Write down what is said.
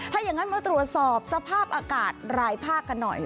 ถ้าอย่างนั้นมาตรวจสอบสภาพอากาศรายภาคกันหน่อย